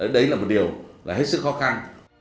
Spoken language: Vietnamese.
đấy là một điều là hết sức khó khăn